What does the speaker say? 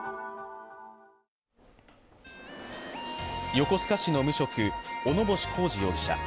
横須賀市の無職、小野星浩志容疑者。